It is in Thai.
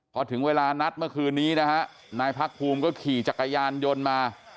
พอถึงเวลานัดเมื่อคืนนี้นะฮะนายพักภูมิก็ขี่จักรยานยนต์มา